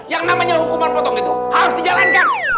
yang namanya hukuman potong itu harus dijalankan